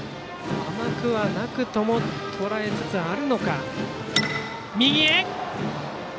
甘くはなくともとらえつつあるか。